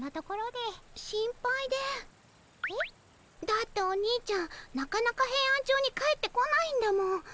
だっておにいちゃんなかなかヘイアンチョウに帰ってこないんだもん。